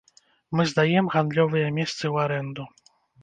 Мы здаем гандлёвыя месцы ў арэнду.